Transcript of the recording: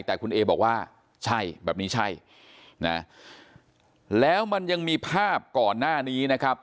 แต่คุณเอบอกว่าใช่แบบนี้ใช่นะแล้วมันยังมีภาพก่อนหน้านี้นะครับ